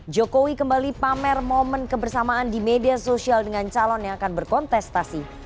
jokowi kembali pamer momen kebersamaan di media sosial dengan calon yang akan berkontestasi